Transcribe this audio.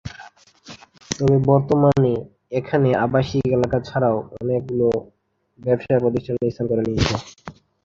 তবে বর্তমানে এখানে আবাসিক এলাকা ছাড়াও অনেকগুলো ব্যবসা প্রতিষ্ঠান স্থান করে নিয়েছে।